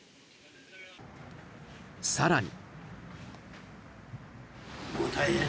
更に。